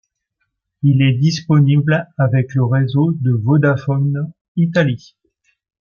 Il est disponible avec le réseau de Vodafone Italie.